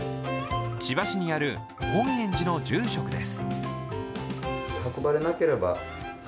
千葉市にある本円寺の住職です。